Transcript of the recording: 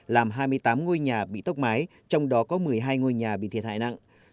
làm hai mươi tám ngôi nhà bị tốc mái trong đó có một mươi hai ngôi nhà bị thiệt hại nặng